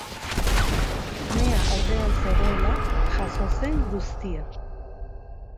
Umea aurrean zegoela jazo zen guztia.